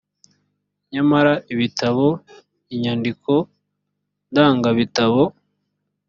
nyamara ibitabo inyandiko ndangabitabo